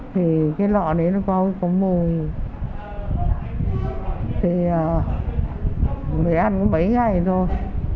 thì cái lọ này nó có mùi thì mới ăn có mấy ngày thôi